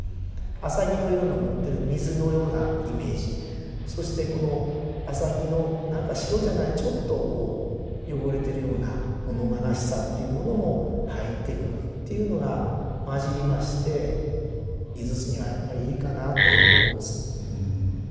浅葱の色の持ってる水のようなイメージそしてこの浅葱の何か白じゃないちょっとこう汚れてるような物悲しさっていうものも入ってくるっていうのが混じりまして「井筒」にはやっぱりいいかなとよく思うんです。